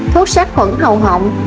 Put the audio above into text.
bốn thuốc sát khuẩn hậu hộng